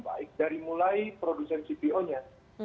baik dari mulai produsen cpo nya